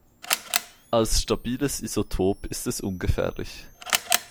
Als stabiles Isotop ist es ungefährlich.